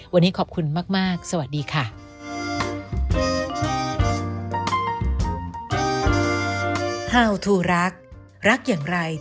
วันนี้ขอบคุณมากสวัสดีค่ะ